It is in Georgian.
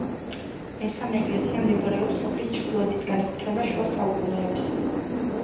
მესამე ეკლესია მდებარეობს სოფლის ჩრდილოეთით, განეკუთვნება შუა საუკუნეებს.